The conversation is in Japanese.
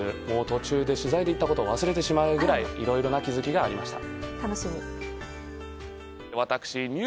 途中で取材で行ったことを忘れてしまうくらいいろいろな気づきがありました。